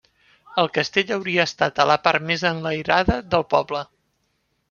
El castell hauria estat a la part més enlairada del poble.